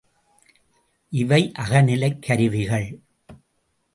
இவை அகநிலைக் கருவிகள்.